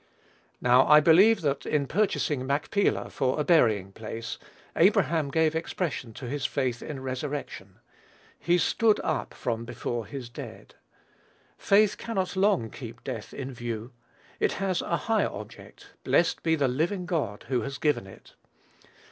Now, I believe that in purchasing Machpelah for a burying place, Abraham gave expression to his faith in resurrection. "He stood up from before his dead." Faith cannot long keep death in view; it has a higher object, blessed be the "living God" who has given it.